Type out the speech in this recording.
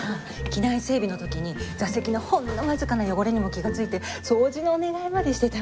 機内整備の時に座席のほんのわずかな汚れにも気がついて掃除のお願いまでしてたもの。